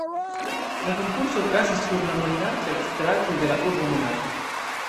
La konkurso okazas sur la mallarĝaj stratoj de la urbo Monako.